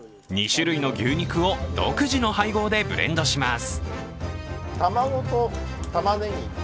２種類の牛肉を独自の配合でブレンドします。